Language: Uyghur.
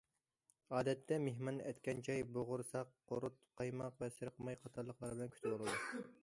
ئادەتتە مېھماننى ئەتكەن چاي، بوغۇرساق، قۇرۇت، قايماق ۋە سېرىق ماي قاتارلىقلار بىلەن كۈتۈۋالىدۇ.